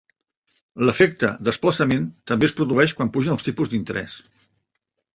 L'efecte desplaçament també es produeix quan pugen els tipus d'interès.